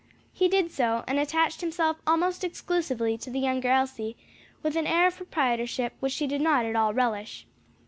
He did so, and attached himself almost exclusively to the younger Elsie, with an air of proprietorship which she did not at all relish.